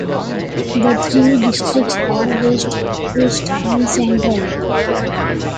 The three districts are West, East, and Central.